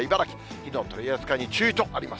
火の取り扱いに注意とあります。